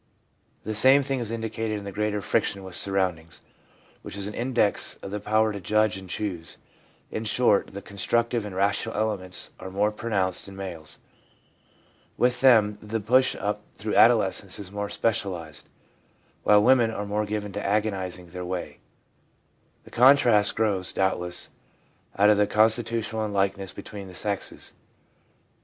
The same thing is indicated in the greater friction with surround ings, which is an index of the power to judge and choose. In short, the constructive and rational elements are more pronounced in males. With them the push up through adolescence is more specialised, while women are more given to agonising their way. The contrast grows, doubtless, out of the constitutional unlikenesses between the sexes.